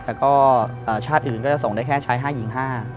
แต่ก็ชาติอื่นก็จะส่งได้แค่ใช้๕หญิง๕